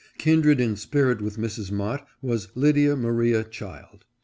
Kindred in spirit with Mrs. Mott was Lydia Maria Child.